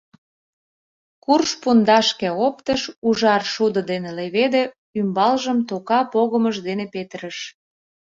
Курш пундашке оптыш, ужар шудо дене леведе, ӱмбалжым тока погымыж дене петырыш.